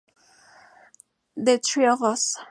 The Three Of Us